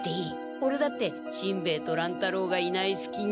オレだってしんべヱと乱太郎がいないすきに。